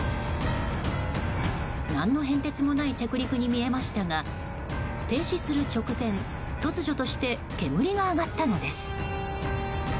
何の変哲もない着陸に見えましたが停止する直前突如として煙が上がったのです。